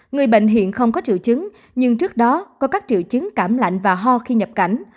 người bệnh hiện không có triệu chứng nhưng trước đó có các triệu chứng cảm lạnh và ho khi nhập cảnh